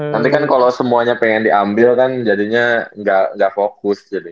nanti kan kalau semuanya pengen diambil kan jadinya gak fokus jadi